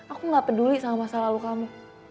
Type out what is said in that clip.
aku gak peduli sama masa lalu kamu